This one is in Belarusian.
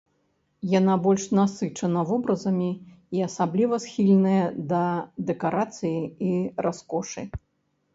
Яна больш насычана вобразамі і асабліва схільная да дэкарацыі і раскошы.